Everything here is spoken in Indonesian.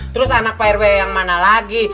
terus anak prw yang mana lagi